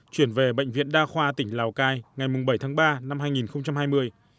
chuyển về bệnh viện đa khoa tỉnh lào cai ngày bảy tháng ba năm hai nghìn hai mươi